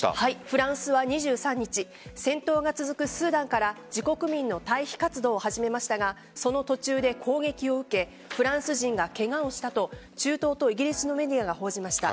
フランスは２３日戦闘が続くスーダンから自国民の退避活動を始めましたがその途中で攻撃を受けフランス人がケガをしたと中東とイギリスのメディアが報じました。